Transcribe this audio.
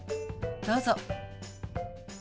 どうぞ。